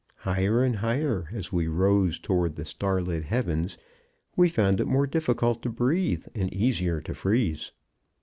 Higher and higher as we rose toward the starlit heavens we found it more difficult to breathe and easier to freeze.